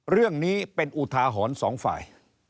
เรื่องนี้เป็นอุทาหรณ์สองฝ่าย